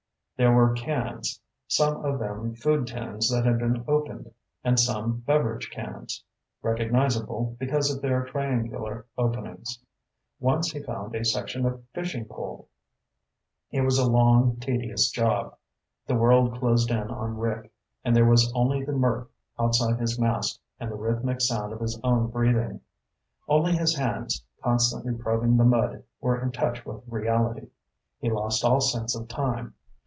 There were cans, some of them food tins that had been opened, and some beverage cans, recognizable because of their triangular openings. Once he found a section of fishing pole. It was a long, tedious job. The world closed in on Rick and there was only the murk outside his mask and the rhythmic sound of his own breathing. Only his hands, constantly probing the mud, were in touch with reality. He lost all sense of time.